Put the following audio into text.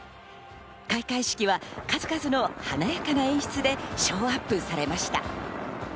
開会式は数々の華やかな演出でショーアップされました。